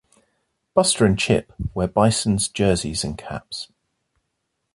Buster and Chip wear Bisons jerseys and caps.